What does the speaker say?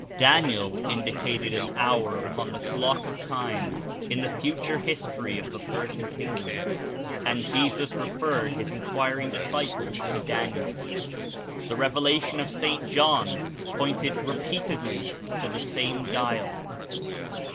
Daniel Indicated an hour upon the clock of time In the future history of the Persian Kingdom, and Jesus referred his enquiring disciples to Daniel. The Revel ation of St. John pointed repeatedly to the same dial.